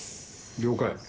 了解。